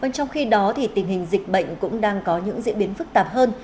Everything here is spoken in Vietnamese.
trong khi đó tình hình dịch bệnh cũng đang có những diễn biến phức tạp hơn